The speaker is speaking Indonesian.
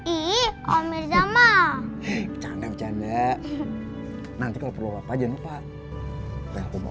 iiih om mirza mah bercanda bercanda nanti kalau perlu apa aja jangan lupa